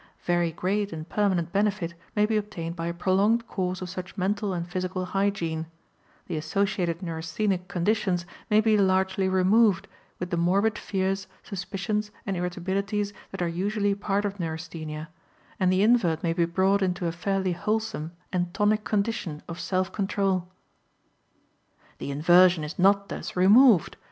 Very great and permanent benefit may be obtained by a prolonged course of such mental and physical hygiene; the associated neurasthenic conditions may be largely removed, with the morbid fears, suspicions, and irritabilities that are usually part of neurasthenia, and the invert may be brought into a fairly wholesome and tonic condition of self control. The inversion is not thus removed.